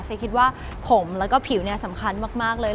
คิดว่าผมแล้วก็ผิวเนี่ยสำคัญมากเลย